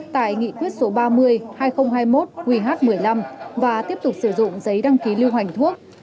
tại nghị quyết số ba mươi hai nghìn hai mươi một qh một mươi năm và tiếp tục sử dụng giấy đăng ký lưu hành thuốc